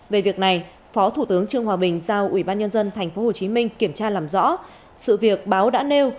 về việc này phó thủ tướng trương hòa bình giao ủy ban nhân dân tp hcm kiểm tra làm rõ sự việc báo đã nêu